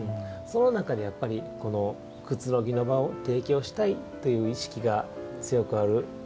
その中でやっぱりこのくつろぎの場を提供したいという意識が強くある。